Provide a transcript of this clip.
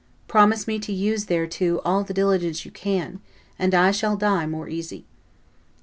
Promise me to use thereto all the diligence you can, and I shall die more easy."